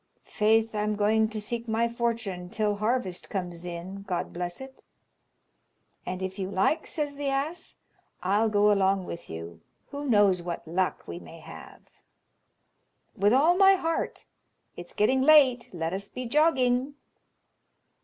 "Faith, I'm going to seek my fortune till harvest comes in, God bless it!" "And if you like," says the ass, "I'll go along with you; who knows what luck we may have!" "With all my heart; it's getting late, let us be jogging."